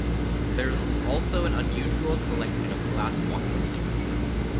There is also an unusual collection of glass walking sticks.